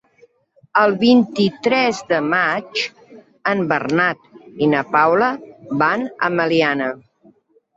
El vint-i-tres de maig en Bernat i na Paula van a Meliana.